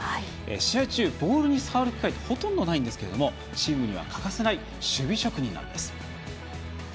試合中、ボールに触る機会ほとんどないんですけどチームには欠かせない守備職人なんです。